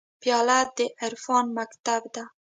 پیاله د عرفان مکتب ده.